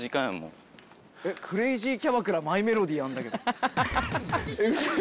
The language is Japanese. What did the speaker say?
クレイジーキャバクラマイメロディーあるんだけど。